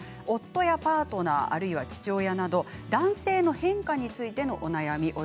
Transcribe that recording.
夫やパートナーあるいは父親など男性の変化についてのお悩み